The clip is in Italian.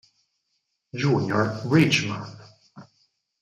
Junior Bridgeman